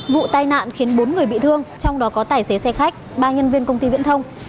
vụ tai nạn khiến bốn người bị thương trong đó có tài xế xe khách ba nhân viên công ty viễn thông